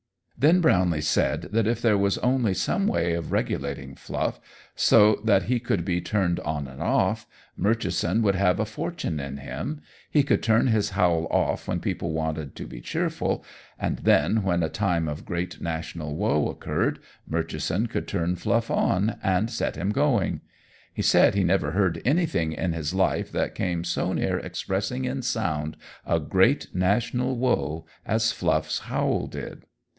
Then Brownlee said that if there was only some way of regulating Fluff, so that he could be turned on and off, Murchison would have a fortune in him: he could turn his howl off when people wanted to be cheerful, and then, when a time of great national woe occurred, Murchison could turn Fluff on and set him going. He said he never heard anything in his life that came so near expressing in sound a great national woe as Fluff's howl did.